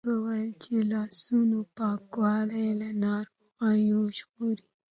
استاد وویل چې د لاسونو پاکوالی له ناروغیو ژغوري.